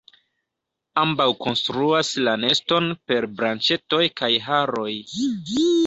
Ambaŭ konstruas la neston per branĉetoj kaj haroj.